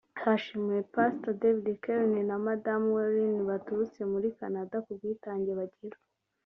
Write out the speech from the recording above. Hashimiwe Pastor David Kehler na madamu we Lynn baturutse muri Canada ku bwitange bagira